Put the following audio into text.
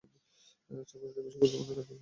চাকুরিটা বেশি গুরুত্বপূর্ণ না-কি বিয়ে?